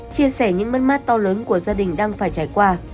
chia sẻ những mất mát to lớn của gia đình đang phải trải qua